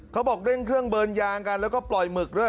เขาบอกเร่งเครื่องเบิร์นยางกันแล้วก็ปล่อยหมึกด้วย